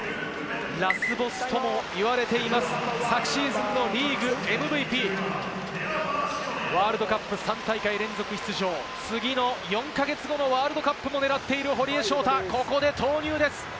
ラスボスとも言われています、昨シーズンのリーグＭＶＰ、ワールドカップ３大会連続出場、次の４か月後のワールドカップも狙っている堀江翔太、ここで投入です。